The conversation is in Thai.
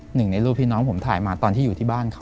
หนึ่งในรูปที่น้องผมถ่ายมาตอนที่อยู่ที่บ้านเขา